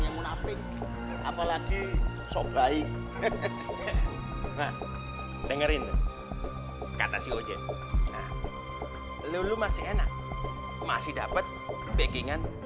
yang munafik apalagi sobaik hehehe nah dengerin kata si ujian lulu masih enak masih dapet pekingan